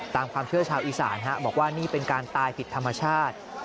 ตามความเชื่อชาวอีสานบอกว่านี่เป็นการตายผิดธรรมชาติ